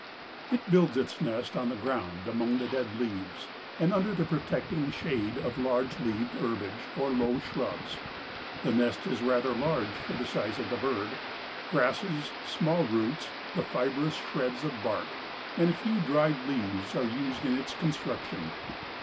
It builds its nest on the ground among the dead leaves and under the protecting shade of large leaved herbage or low shrubs. The nest is rather large for the size of the bird. Grasses, small roots, the fibrous shreds of bark and a few dried leaves are used in its construction.